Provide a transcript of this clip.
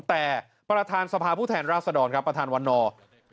แต่ประธานสภาผู้แทนราษฎรครับประธานวันนอร์